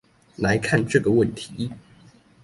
來看這個問題